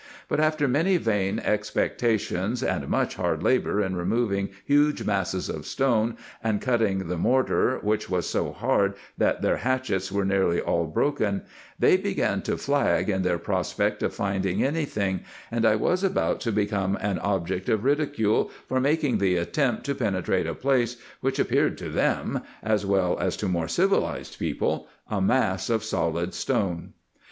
But after many vain expectations, and much hard labour in removing huge masses of stone, and cutting the mortar, which was so hard that their hatchets were nearly all broken, they began to flag in their prospect of finding any thing, and I was about to become an object of ridicule for making the attempt to penetrate a place, which appeared to them, as well as to more civilized people, a mass of solid stone.